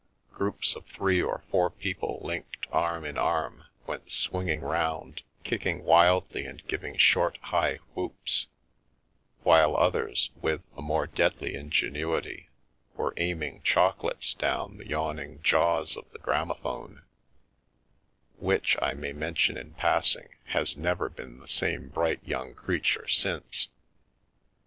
Groups of three or four people linked arm in arm went swinging round, kicking wildly and giving short high " whoops," while others, with a more deadly ingenuity, were aiming* choc olates down the yawning jaws of the gramophone — which, I may mention in passing, has never been the same bright young creature since.